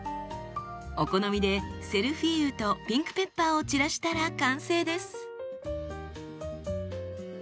お好みでセルフィーユとピンクペッパーを散らしたら完成です。